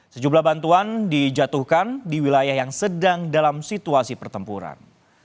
sejumlah bantuan dijatuhkan di wilayah yang sedang dalam situasi pertempuran